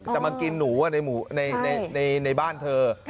จะมากินหนูมันนี่ในห้องบ้านเธอ